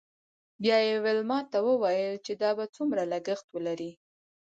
بیا یې ویلما ته وویل چې دا به څومره لګښت ولري